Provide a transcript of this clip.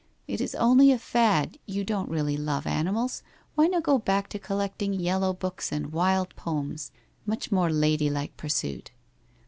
It is only a fad, you don't really love animals, why not go back to collecting Yellow Books and Wilde poems —■ much more ladylike pursuit.'